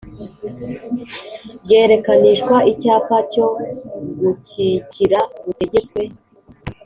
byerekanishwa Icyapa cyo gukikira gutegetswe